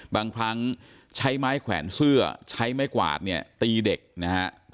บางครั้งใช้ไม้แขวนเสื้อใช้ไม้กวาดเนี่ยตีเด็กนะฮะ